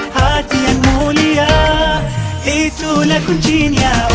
hati yang mulia itulah kuncinya